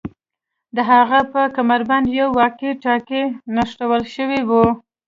د هغه په کمربند یو واکي ټاکي نښلول شوی و